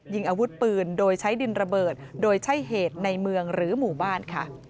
ยิงอาวุธปืนโดยใช้ดินระเบิดโดยใช่เหตุในเมืองหรือหมู่บ้านค่ะ